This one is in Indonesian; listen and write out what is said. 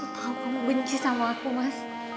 tahu kamu benci sama aku mas